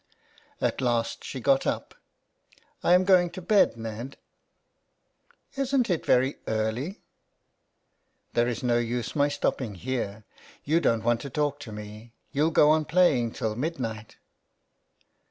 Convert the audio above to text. At last she got up. " I am going to bed, Ned." '* Isn't it very early ?"" There is no use my stopping here. You don't want to talk to me ; you'll go on playing till mid night."